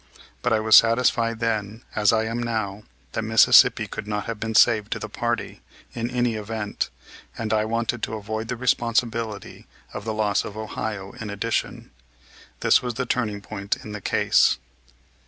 But I was satisfied then, as I am now, that Mississippi could not have been saved to the party in any event and I wanted to avoid the responsibility of the loss of Ohio, in addition. This was the turning point in the case.